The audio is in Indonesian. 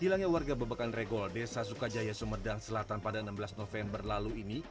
hilangnya warga bebekan regol desa sukajaya sumedang selatan pada enam belas november lalu ini